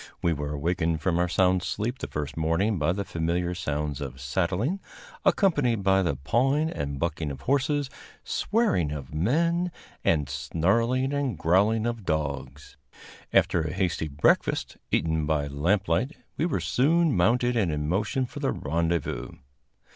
We were awakened from our sound sleep the first morning by the familiar sounds of saddling, accompanied by the pawing and bucking of horses, swearing of men, and snarling and growling of dogs. After a hasty breakfast, eaten by lamplight, we were soon mounted and in motion for the rendezvous.